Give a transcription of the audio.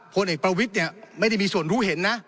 พลเอกประวิทย์เนี่ยไม่ได้มีส่วนรู้เห็นนะ